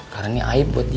karena ini aib buat dia